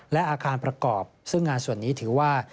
และอาคารประกอบซึ่งงานส่วนนี้ถือว่า